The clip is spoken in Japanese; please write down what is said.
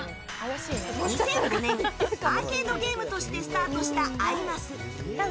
２００５年アーケードゲームとしてスタートした「アイマス」。